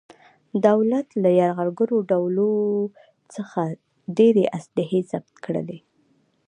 دولت له یرغلګرو ډولو څخه ډېرې اصلحې ضبط کړلې.